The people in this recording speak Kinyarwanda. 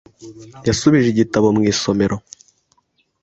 Yasubije igitabo mu isomero .